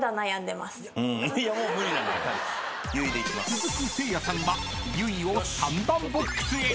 ［続くせいやさんは「結衣」を３番ボックスへ］